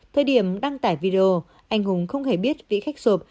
thời điểm đăng tải video anh hùng không hề biết vị khách sộp